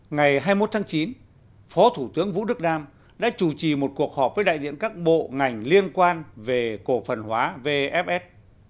ngày hai mươi một tháng chín phó thủ tướng vũ đức đam đã chủ trì một cuộc họp với đại diện các bộ ngành liên quan về cổ phần hóa vfs